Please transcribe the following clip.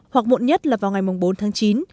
hoặc muộn nhất là vào ngày bốn tháng chín